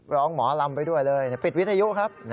หมอลำไปด้วยเลยปิดวิทยุครับ